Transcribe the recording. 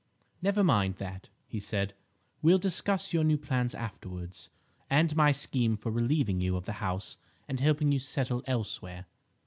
"Never mind that," he said, "we'll discuss your new plans afterwards, and my scheme for relieving you of the house and helping you settle elsewhere.